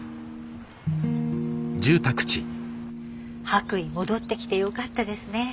白衣戻ってきてよかったですね。